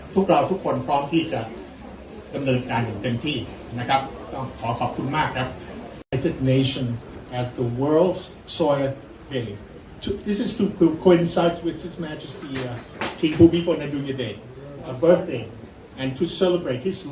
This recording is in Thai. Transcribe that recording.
พวกเราทุกคนพร้อมที่จะดำเนินการอย่างเต็มที่นะครับต้องขอขอบคุณมากครับ